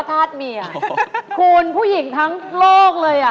คนนี้คุณผู้หญิงทั้งโลกเลยอะ